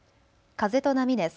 風と波です。